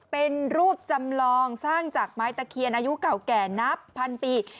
เป็นรูปจำลองสร้างจากไม้ตะเคียนอายุเก่าแก่นับพันปี